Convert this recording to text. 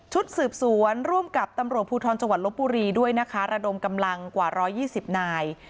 สืบสวนร่วมกับตำรวจภูทรจังหวัดลบบุรีด้วยนะคะระดมกำลังกว่า๑๒๐นาย